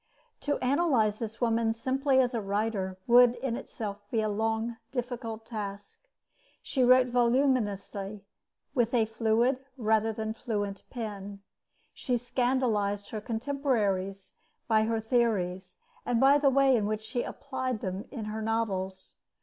To analyze this woman simply as a writer would in itself be a long, difficult task. She wrote voluminously, with a fluid rather than a fluent pen. She scandalized her contemporaries by her theories, and by the way in which she applied them in her novels.